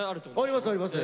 ありますあります。